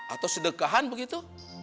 atau sedekahan begitu